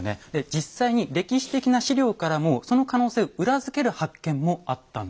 実際に歴史的な史料からもその可能性を裏付ける発見もあったんです。